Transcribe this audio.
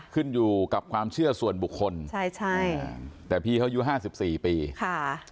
ขึ้นอยู่กับความเชื่อส่วนบุคคลใช่ใช่แต่พี่เขาอายุห้าสิบสี่ปีค่ะ